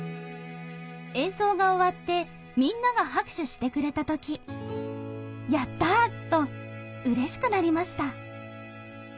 演奏が終わってみんなが拍手してくれた時ヤッタ！とうれしくなりました」